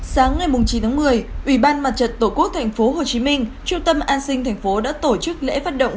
sáng ngày chín một mươi ủy ban mặt trật tổ quốc tp hcm trung tâm an sinh tp hcm đã tổ chức lễ phát động